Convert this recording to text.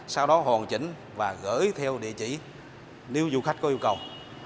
sau đó hoàn chỉnh và gửi theo địa chỉ nếu du khách có yêu cầu